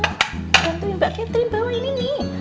bantuin mbak captain bawa ini nih